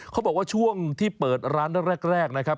เขาบอกว่าช่วงที่เปิดร้านแรกนะครับ